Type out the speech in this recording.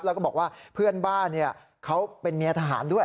แล้วก็บอกว่าเพื่อนบ้านเขาเป็นเมียทหารด้วย